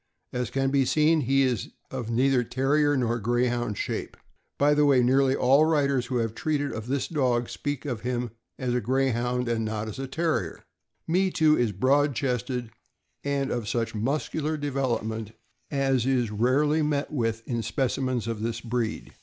As can be seen, he is of neither Terrier nor Grey hound shape. By the way, nearly all the writers who have treated of this dog speak of him as a Greyhound and not as a Terrier. Me Too is broad chested and of such muscular development as is rarely met with in specimens of this breed.